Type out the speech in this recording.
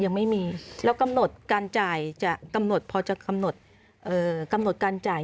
ยังไม่มีแล้วกำหนดการจ่ายจะกำหนดพอจะกำหนดกำหนดการจ่าย